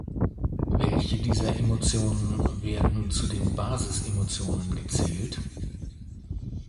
Welche dieser Emotionen werden zu den Basisemotionen gezählt?